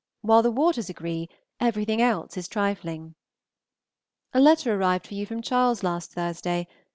While the waters agree, everything else is trifling. A letter arrived for you from Charles last Thursday.